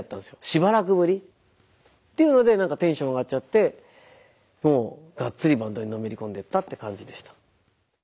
しばらくぶり。っていうので何かテンション上がっちゃってもうがっつりバンドにのめり込んでいったって感じでした。